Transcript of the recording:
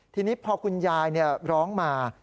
ทีนี้พอคุณยายร้องมา